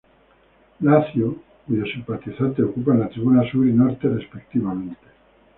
Lazio, cuyos simpatizantes ocupan la tribuna sur y norte respectivamente.